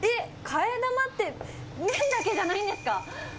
替え玉って、麺だけじゃないんですか？